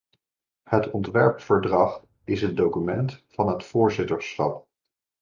Het ontwerp-verdrag is een document van het voorzitterschap.